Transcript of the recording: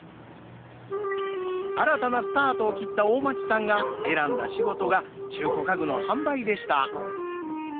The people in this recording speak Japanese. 新たなスタートを切った大町さんが選んだ仕事が中古家具の販売でした。